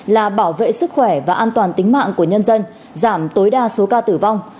là bảo vệ sức khỏe và an toàn tính mạng của nhân dân giảm tối đa số ca tử vong